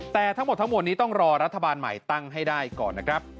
แต่ทั้งหมดมีต้องรอรัฐบาลใหม่ตั้งให้ได้ก่อน